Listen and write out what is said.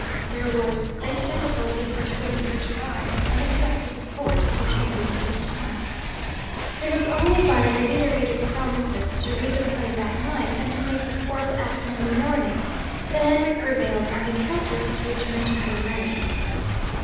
There was great difficulty in persuading her to rise, and accept the support of the chambermaid's arm. It was only by reiterated promises to read the play that night, and to make the fourth act in the morning, that Henry prevailed on the Countess to return to her room.